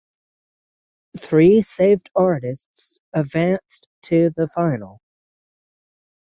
Three saved artists advanced to the Final.